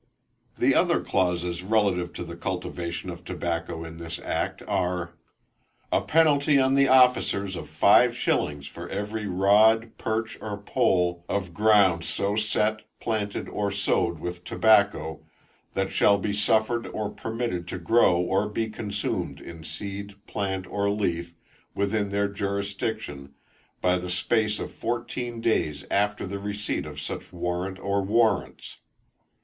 The other clauses relative to the cultivation of tobacco in this act, are, "A penalty on the officers of five shillings for every rod, perch, or pole of ground so set, planted, or sowed with tobacco, that shall be suffered or permitted to grow or be consumed in seed, plant or leaf, within their jurisdiction, by the space of fourteen days after the receipt of such warrant or warrants."